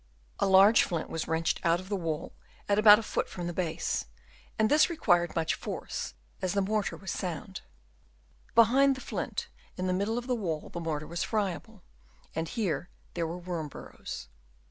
A large flint was wrenched out of the wall at about a foot from the base, and this required much force, as the mortar was sound ; but behind the flint in the middle of the wall, the mortar was friable, Chap. IV. OF ANCIENT BUILDINGS. 213 and here there were worm burrows.